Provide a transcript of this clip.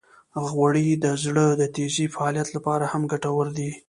غوړې د زړه د تېزې فعالیت لپاره هم ګټورې دي.